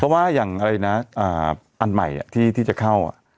เพราะว่าอย่างอะไรนะอันใหม่ที่จะเข้า